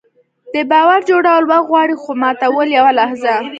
د باور جوړول وخت غواړي، خو ماتول یوه لحظه.